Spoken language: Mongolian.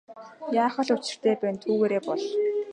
Яах л учиртай байна түүгээрээ бол.